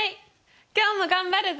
今日も頑張るぞ！